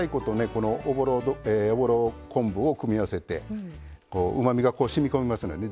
このおぼろ昆布を組み合わせてうまみがしみ込みますのでね